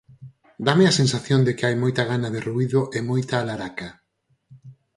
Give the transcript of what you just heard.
Dáme a sensación de que hai moita gana de ruído e moita alaraca.